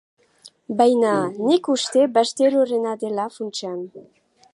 Baina, nik uste Basterorena dela funtsean.